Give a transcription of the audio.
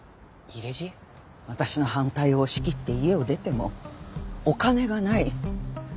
私の反対を押し切って家を出てもお金がない。